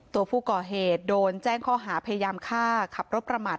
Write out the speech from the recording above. ตัวผู้ก่อเหตุโดนแจ้งข้อหาพยายามฆ่าขับรถประมาท